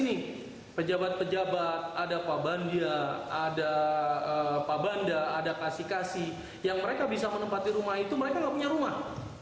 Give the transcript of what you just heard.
kita akan mencari peraturan yang berdinas